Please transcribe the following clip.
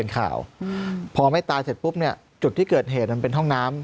เป็นข่าวพอไม่ตายเสร็จปุ๊บเนี่ยจุดที่เกิดเหตุมันเป็นห้องน้ำ